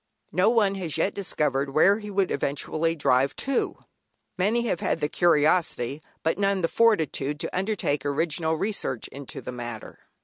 No one has yet discovered where he would eventually drive to; many have had the curiosity but none the fortitude to undertake original research into the matter.